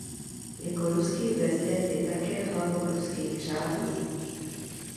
Jako ruský prezident je také hlavou ruských řádů.